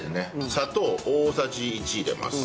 砂糖大さじ１入れます。